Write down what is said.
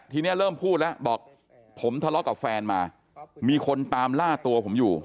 ทีนี้เริ่มพูดแล้วบอกผมทะเลาะกับแฟนมามีคนตามล่าตัวผมอยู่